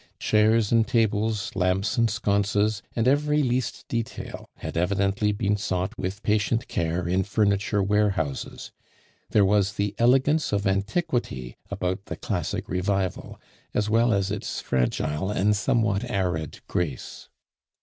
Chairs and tables, lamps and sconces, and every least detail had evidently been sought with patient care in furniture warehouses. There was the elegance of antiquity about the classic revival as well as its fragile and somewhat arid grace.